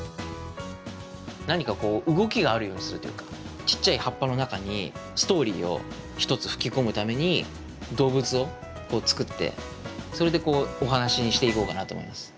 何かこう動きがあるようにするというかちっちゃい葉っぱの中にストーリーを一つふき込むために動物を作ってそれでお話にしていこうかなと思います。